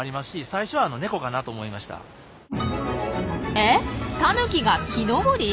えっタヌキが木登り！？